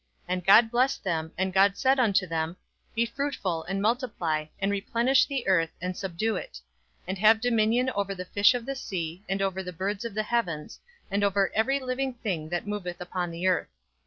And God blessed them, and God said unto them, Be fruitful, and multiply, and replenish the earth, and subdue it; and have dominion over the fish of the sea, and over the birds of the heavens, and over every living thing that moveth upon the earth.